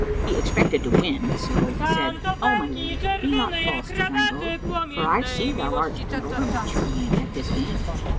He expected to win, so he said, "O my lady, be not false to thine oath, for I see thou art an overmatch for me at this game!"